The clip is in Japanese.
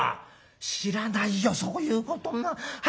「知らないよそういうことは。